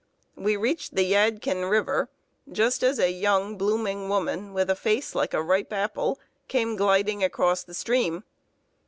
We reached the Yadkin River just as a young, blooming woman, with a face like a ripe apple, came gliding across the stream.